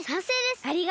ありがとう。